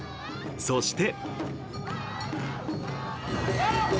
そして。